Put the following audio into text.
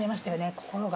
心が。